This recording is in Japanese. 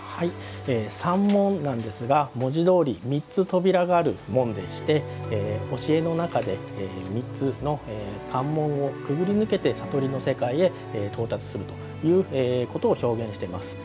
三門なんですが文字どおり三つ扉がある門でして教えの中で、三つの関門を潜り抜けて悟りの世界へ到達するということを表現しています。